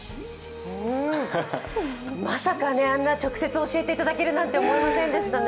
まさかあんな直接教えていただけるなんて思いませんでしたね。